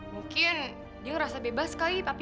mungkin dia ngerasa bebas kali papi